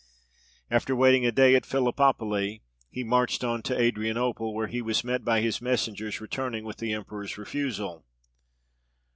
After waiting a day at Philippopoli, he marched on to Adrianople, where he was met by his messengers returning with the emperor's refusal.